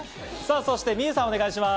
そしてｍｉｙｏｕさん、お願いします。